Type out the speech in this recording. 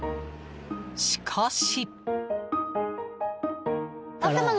しかし。